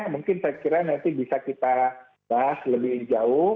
mungkin saya kira nanti bisa kita bahas lebih jauh